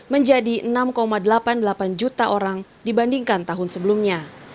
menjadi enam delapan puluh delapan juta orang dibandingkan tahun sebelumnya